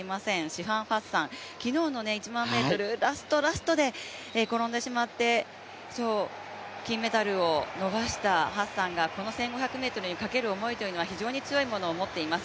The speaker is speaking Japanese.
シファン・ハッサン、昨日の１００００ｍ、ラストラストで転んでしまって金メダルを逃したハッサンがこの１５００ｍにかける思いというのは非常に強いものを持っています。